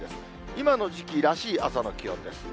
今の時期らしい朝の気温です。